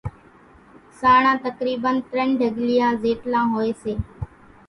سانڻان تقريبن ترڃ ڍڳليان زيٽلان ھوئي سي۔